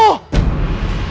apakah kalian bodoh